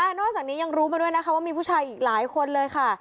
นอกจากนี้ยังรู้มาด้วยนะคะว่ามีผู้ชายอีกหลายคนเลยค่ะ